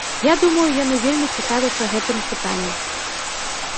Я думаю, яны вельмі цікавяцца гэтым пытанням.